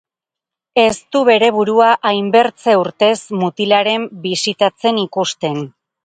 Ez du bere burua hainbertze urtez mutilaren bisitatzen ikusten.